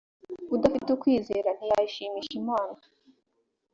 udafite ukwizera ntiyayishimisha imana